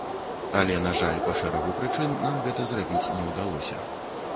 Але, на жаль, па шэрагу прычын нам гэта зрабіць не ўдалося.